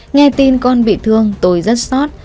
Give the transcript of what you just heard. nghe tin con bị thương tôi rất sót